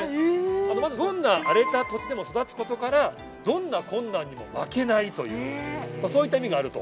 どんな荒れた土地でも育つことからどんな困難にも負けないというそういった意味があると。